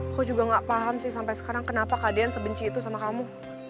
aku juga gak paham sih sampai sekarang kenapa keadaan sebenci itu sama kamu